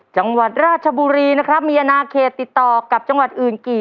จังหวัดราชบุรีนะครับมีอนาเขตติดต่อกับจังหวัดอื่นกี่